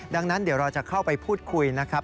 ดังนั้นเดี๋ยวเราจะเข้าไปพูดคุยนะครับ